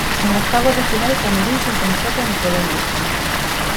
En octavos de final, Camerún se encontró con Colombia.